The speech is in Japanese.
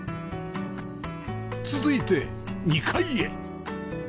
続いて２階へ